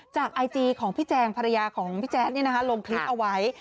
ไอจีของพี่แจงภรรยาของพี่แจ๊ดลงคลิปเอาไว้